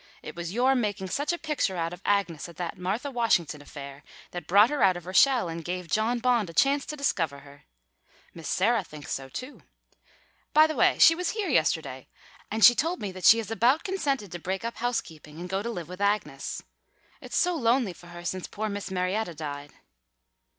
It was your making such a picture out of Agnes at that Martha Washington affair that brought her out of her shell and gave John Bond a chance to discover her. Miss Sarah thinks so too. By the way, she was here yesterday, and she told me that she has about consented to break up housekeeping and go to live with Agnes. It's so lonely for her since poor Miss Marietta died."